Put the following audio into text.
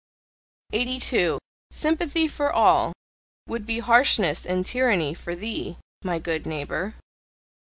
82. "Sympathy for all" would be harshness and tyranny for THEE, my good neighbour.